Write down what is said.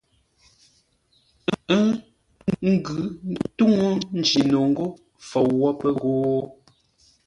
Ə́ ngʉ ńtúŋú Njino ngô: Fou wə́ pə́ ghó.